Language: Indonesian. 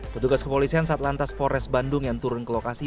petugas kepolisian satlantas forest bandung yang turun ke lokasi